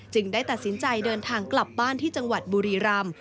ได้ตัดสินใจเดินทางกลับบ้านที่จังหวัดบุรีรำ